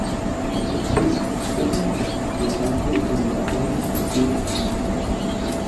Phillips fue una concursante en la de "Dancing with the Stars".